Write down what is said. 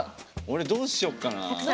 俺どうしよっかなあ。